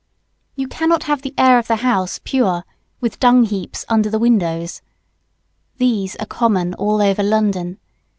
You cannot have the air of the house pure with dung heaps under the windows. These are common all over London.